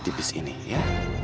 di bis ini ya